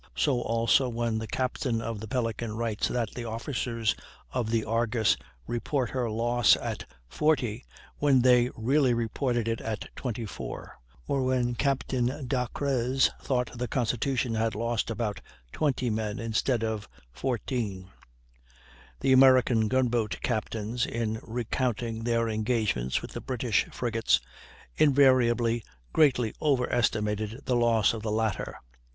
So also when the captain of the Pelican writes that the officers of the Argus report her loss at 40, when they really reported it at 24 or when Captain Dacres thought the Constitution had lost about 20 men instead of 14. The American gun boat captains in recounting their engagements with the British frigates invariably greatly overestimated the loss of the latter.